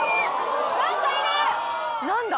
何だ？